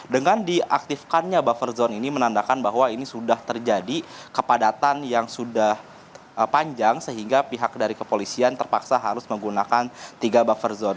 dengan diaktifkannya buffer zone ini menandakan bahwa ini sudah terjadi kepadatan yang sudah panjang sehingga pihak dari kepolisian terpaksa harus menggunakan tiga buffer zone